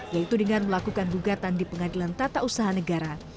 yaitu dengan melakukan gugatan di pengadilan tata usaha negara